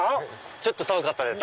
ちょっと寒かったです。